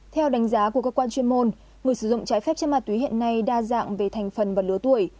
theo đánh giá của cơ quan chuyên môn người sử dụng trái phép trên ma túy hiện nay đa dạng về thành phần và lứa tuổi